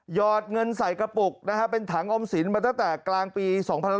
อดเงินใส่กระปุกนะฮะเป็นถังออมสินมาตั้งแต่กลางปี๒๕๖๒